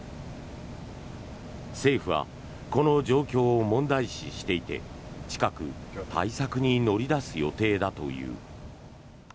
政府はこの状況を問題視していて近く、対策に乗り出す予定だという。